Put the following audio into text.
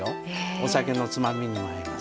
お酒のつまみにも合います。